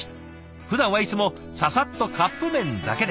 ふだんはいつもササッとカップ麺だけで。